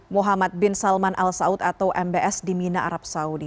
muhammad bin salman al saud atau mbs di mina arab saudi